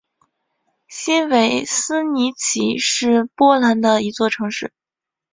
新维希尼奇是波兰的一座城市。